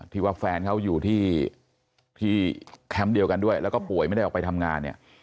ที่ว่าแฟนเขาอยู่ที่แคมป์เดียวกันด้วยแล้วก็ป่วยไม่ได้ออกไปทำงานเนี่ย